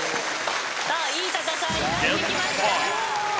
いい戦いになってきました。